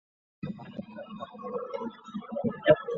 他由德范八世接替。